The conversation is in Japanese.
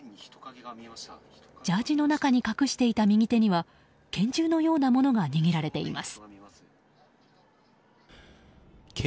ジャージーの中に隠していた右手には拳銃のようなものが握られています。